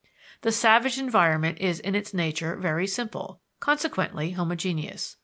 _ The savage environment is in its nature very simple, consequently homogeneous.